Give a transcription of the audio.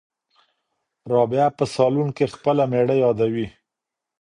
رابعه په صالون کې خپله مېړه یادوي.